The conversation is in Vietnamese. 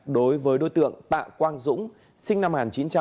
đối với đối tượng tạ quang dũng sinh năm một nghìn chín trăm tám mươi